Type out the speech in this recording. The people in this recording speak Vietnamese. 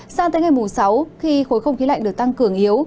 sáng tới ngày sáu khi khối không khí lạnh được tăng cường yếu